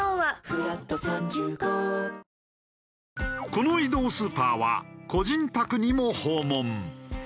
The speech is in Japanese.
この移動スーパーは個人宅にも訪問。